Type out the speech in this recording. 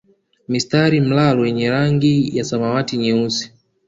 Mistari mlalo yenye rangi ya samawati nyeusi